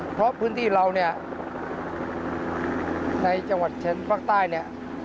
เพราะพื้นที่เราเนี่ยในจังหวัดเชนภาคใต้เนี่ย